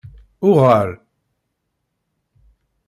Uɣal.